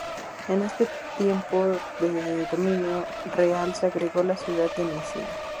En este tiempo de dominio real se agregó la ciudad de Mesina.